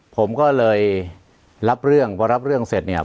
ผมก็เลยรับเรื่องพอรับเรื่องเสร็จเนี่ย